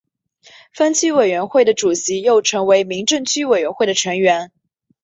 分区委员会的主席又成为民政区委员会的成员。